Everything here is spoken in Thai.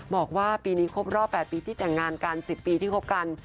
บอกว่าปีนี้ครบรอบ๘ปีที่แต่งงานกัน๑๐ปีที่คบกัน